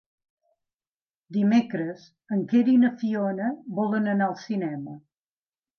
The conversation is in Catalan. Dimecres en Quer i na Fiona volen anar al cinema.